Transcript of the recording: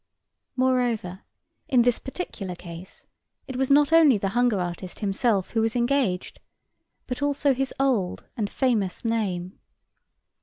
Moreover, in this particular case it was not only the hunger artist himself who was engaged, but also his old and famous name.